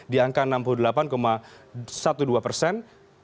di angka enam puluh delapan dua belas persen